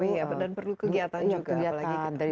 oh iya dan perlu kegiatan juga apalagi